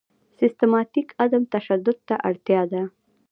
سیستماتیک عدم تشدد ته اړتیا ده.